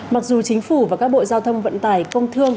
mặc dù chính phủ và các bộ giao thông vận tải công thương